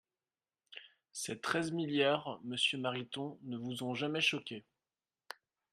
Ces treize milliards, monsieur Mariton, ne vous ont jamais choqué.